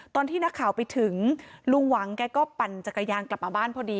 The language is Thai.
ตอนที่นักข่าวไปถึงลุงหวังแกก็ปั่นจักรยานกลับมาบ้านพอดี